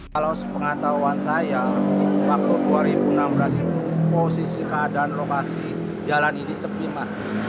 kalau sepengetahuan saya waktu dua ribu enam belas itu posisi keadaan lokasi jalan ini sepi mas